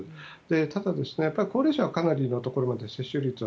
ただ、高齢者はかなりのところ接種率が